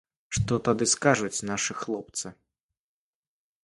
Што тады скажуць нашы хлопцы?